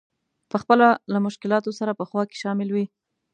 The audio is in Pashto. په خپله له مشکلاتو سره په خوا کې شامل وي.